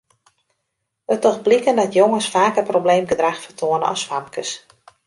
It docht bliken dat jonges faker probleemgedrach fertoane as famkes.